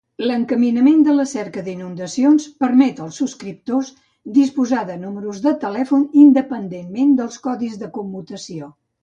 L'encaminament de la cerca d'inundacions permet als subscriptors disposar de números de telèfon independentment dels codis de commutació.